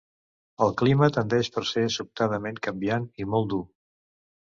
El clima tendeix per ser sobtadament canviant i molt dur.